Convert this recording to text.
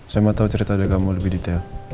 saya mau tahu cerita dari kamu lebih detail